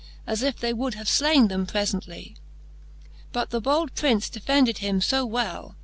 As if they would have flaine them prefently. But the bold Prince defended him fo well.